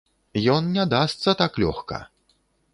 Ён не дасца так лёгка!